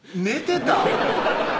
寝てた？